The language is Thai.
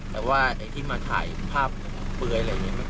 แต่ที่มาถ่ายภาพเปรื่อย